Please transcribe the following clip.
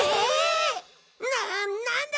ななんだ？